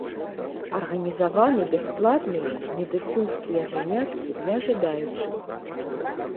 Арганізаваны бясплатныя медыцынскія заняткі для жадаючых.